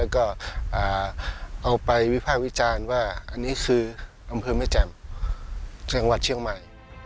แล้วก็เอาไปวิพับวิจารณ์ว่าอันนี้คือห้ามพื้นแม่แจ่มจังหวัดเชียงใหม่